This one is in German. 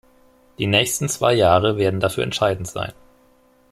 Die nächsten zwei Jahre werden dafür entscheidend sein.